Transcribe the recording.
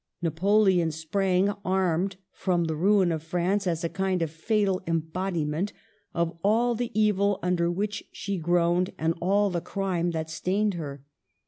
Napoleon sprang armed from the ruin of France, as a kind of fatal embod iment of all the evil under which she groaned and all the crime that stained her.